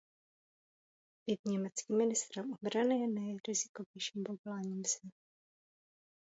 Být německým ministrem obrany je nejrizikovějším povoláním v zemi.